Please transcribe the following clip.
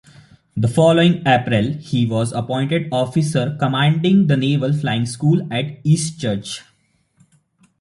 The following April he was appointed Officer Commanding the Naval Flying School at Eastchurch.